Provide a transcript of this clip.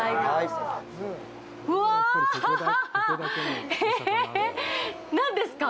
うわーっ、何ですか。